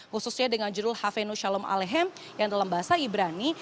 khususnya dengan judul havenu shalom alehem yang dalam bahasa ibrani